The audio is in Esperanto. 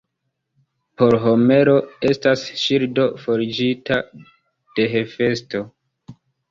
Por Homero, estas ŝildo forĝita de Hefesto.